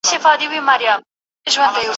د لنډیو ږغ به پورته د باغوان سي